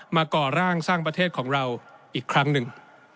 ก่อร่างสร้างประเทศของเราอีกครั้งหนึ่ง